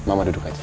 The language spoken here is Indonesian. mama duduk aja